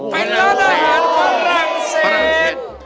เป็นร้านอาหารของฝรั่งเศส